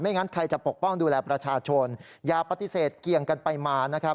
ไม่งั้นใครจะปกป้องดูแลประชาชนยาปฏิเสธเกี่ยงกันไปมา